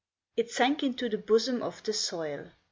It sank into the bosom of the soil.